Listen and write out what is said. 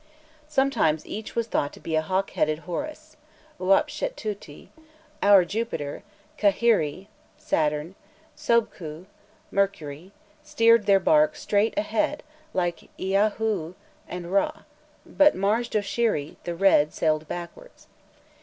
Sometimes each was thought to be a hawk headed Horus. Ùapshetatûi, our Jupiter, Kahiri (Saturn), Sobkû (Mercury), steered their barks straight ahead like Iâûhû and Râ; but Mars Doshiri, the red, sailed backwards.